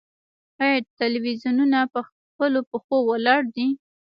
آیا تلویزیونونه په خپلو پښو ولاړ دي؟